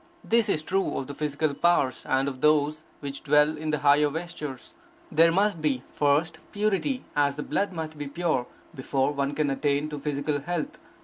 This is true of the physical powers, and of those which dwell in the higher vestures. There must be, first, purity; as the blood must be pure, before one can attain to physical health.